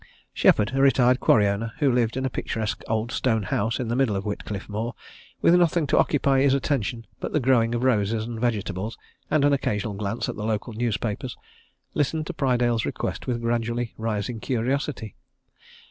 Shepherd, a retired quarry owner, who lived in a picturesque old stone house in the middle of Whitcliffe Moor, with nothing to occupy his attention but the growing of roses and vegetables, and an occasional glance at the local newspapers, listened to Prydale's request with gradually rising curiosity.